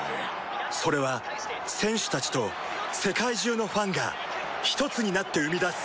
それは選手たちと世界中のファンがひとつになって生み出す